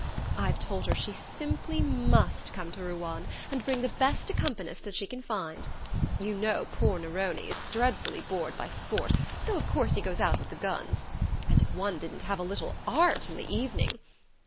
I've told her she simply must come to Ruan, and bring the best accompanyist she can find. You know poor Nerone is dreadfully bored by sport, though of course he goes out with the guns. And if one didn't have a little art in the evening....